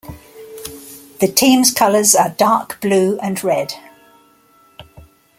The team's colours are dark blue and red.